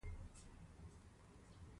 د هغې خندا نوره هم زه له حاله ویستلم.